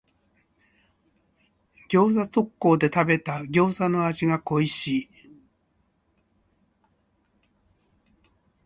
餃子特講で食べた餃子の味が恋しい。